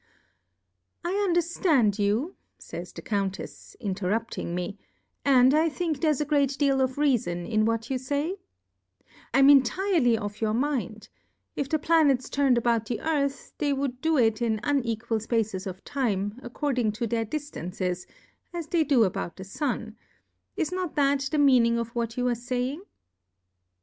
I underftand you, fays the Countefs^ interrupting me, and, I think, there's a great deal of Reafon in what you fay ; 1 4 Tm I 76 Difcourfes on the Ym entirely of your Mind, if the Pla nets turn'd about the Earth, they wou'd do it in unequal Spaces of Time, ac cording to their Diftances, as they do about the Sun : Is not that the Mean ing of what you were faying